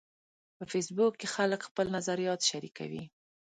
په فېسبوک کې خلک خپل نظریات شریکوي